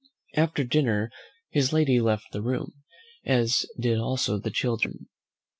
After dinner his lady left the room, as did also the children.